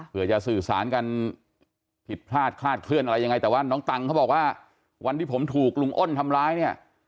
เพื่อจะสื่อสารกันผิดพลาดคลาดเคลื่อนอะไรยังไงแต่ว่าน้องตังเขาบอกว่าวันที่ผมถูกลุงอ้นทำร้ายเนี่ย